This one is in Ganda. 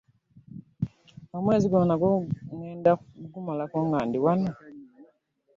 Omwezi guno nagwo ŋŋenda kugumalako nga ndi wano?